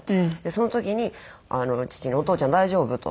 その時に父に「お父ちゃん大丈夫？」と。